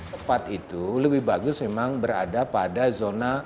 tepat itu lebih bagus memang berada pada zona